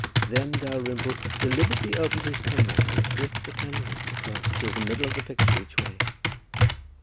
Then Dalrymple deliberately opened his penknife and slit the canvas across, through the middle of the picture each way.